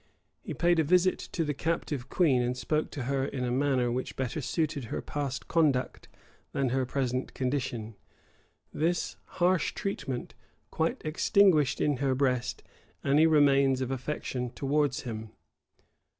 He paid a visit to the captive queen, and spoke to her in a manner which better suited her past conduct than her present condition. This harsh treatment quite extinguished in her breast any remains of affection towards him.